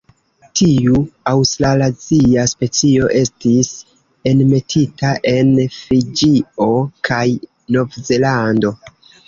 Tiu aŭstralazia specio estis enmetita en Fiĝio kaj Novzelando.